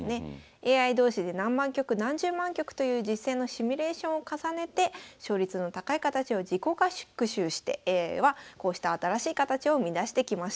ＡＩ同士で何万局何十万局という実戦のシミュレーションを重ねて勝率の高い形を自己学習してはこうした新しい形を生み出してきました。